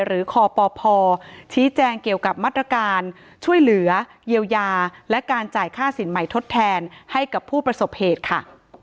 คปพชี้แจงเกี่ยวกับมาตรการช่วยเหลือเยียวยาและการจ่ายค่าสินใหม่ทดแทนให้กับผู้ประสบเหตุค่ะ